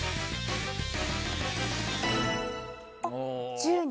１０人。